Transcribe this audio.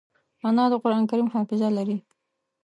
انا د قرانکریم حافظه لري